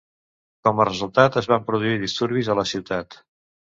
Com a resultat, es van produir disturbis a la ciutat.